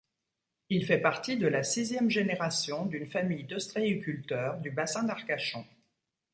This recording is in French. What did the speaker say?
Il fait partie de la sixième génération d'une famille d'ostréiculteurs du Bassin d'Arcachon.